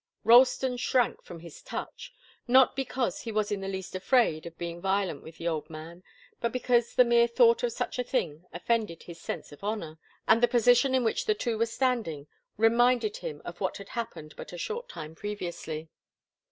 Ralston shrank from his touch, not because he was in the least afraid of being violent with an old man, but because the mere thought of such a thing offended his sense of honour, and the position in which the two were standing reminded him of what had happened but a short time previously.